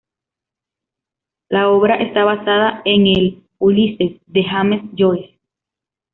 La obra está basada en el "Ulises" de James Joyce.